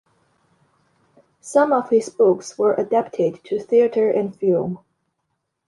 Some of his books were adapted to theatre and film.